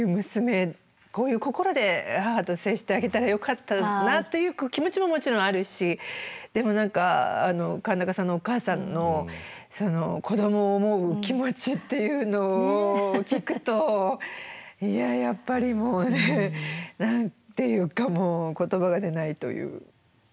こういう心で母と接してあげたらよかったなという気持ちももちろんあるしでも何か川中さんのお母さんの子どもを思う気持ちっていうのを聞くといややっぱりもうね何て言うかもう言葉が出ないという。